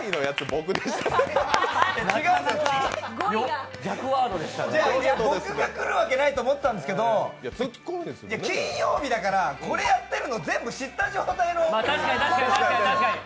僕がくるわけないと思ってたんですけど金曜日だから、これやってるの全部知った状態なので。